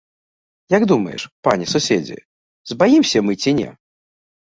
Як думаеш, пане суседзе, збаімся мы ці не?